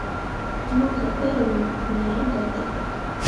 Mu gah err wo, me ah gatah.